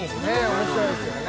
面白いですよね